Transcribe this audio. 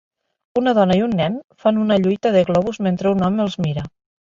Una dona i un nen fan una lluita de globus mentre un home els mira.